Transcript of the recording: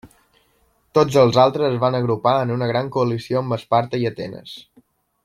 Tots els altres es van agrupar en una gran coalició amb Esparta i Atenes.